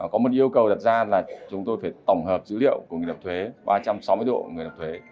có một yêu cầu đặt ra là chúng tôi phải tổng hợp dữ liệu của người nộp thuế ba trăm sáu mươi độ người nộp thuế